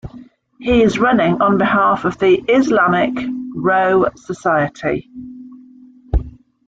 He is running on behalf of the "Islamic Row" Society.